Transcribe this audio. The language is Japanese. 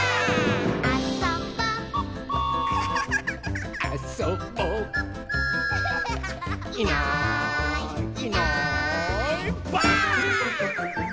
「あそぼ」「あそぼ」「いないいないばあっ！」